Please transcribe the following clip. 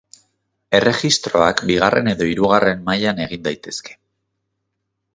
Erregistroak bigarren edo hirugarren mailan egin daitezke.